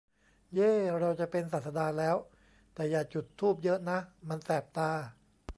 เย้ ! เราจะเป็นศาสดาแล้ว ! แต่อย่าจุดธูปเยอะนะ มันแสบตา